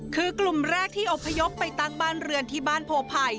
คือกลุ่มแรกที่อบพยพไปตั้งบ้านเรือนที่บ้านโพไผ่